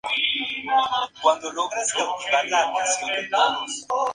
Es originario del sureste de Asia, donde se distribuye por China, Tailandia y Vietnam.